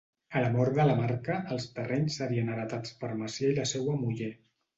A la mort de Lamarca, els terrenys serien heretats per Macià i la seua muller.